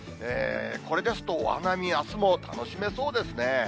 これですと、お花見、あすも楽しめそうですね。